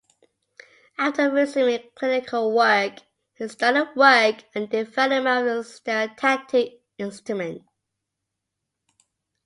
After resuming clinical work, he started work on the development of a stereotactic instrument.